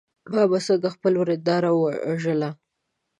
ما به څنګه خپله ورېنداره وژله.